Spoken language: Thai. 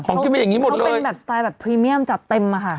ขึ้นมาอย่างนี้หมดเขาเป็นแบบสไตล์แบบพรีเมียมจัดเต็มอะค่ะ